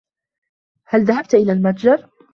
هل ذهبت إلى المتجر؟